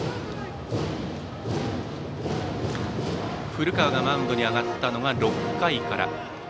古川がマウンドに上がったのが６回から。